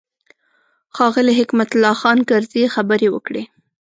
ښاغلي حکمت الله خان کرزي خبرې وکړې.